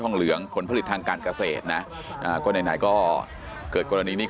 ทองเหลืองผลผลิตทางการกระเศษนะก็ในไหนก็เกิดกรณีนี้